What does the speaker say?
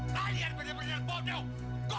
laliar benar benar bodoh